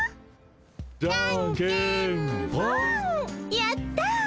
やった！